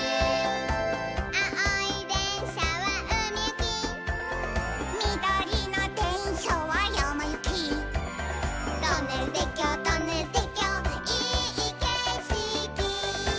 「あおいでんしゃはうみゆき」「みどりのでんしゃはやまゆき」「トンネルてっきょうトンネルてっきょういいけしき」